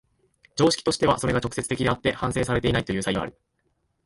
常識としてはそれが直接的であって反省されていないという差異がある。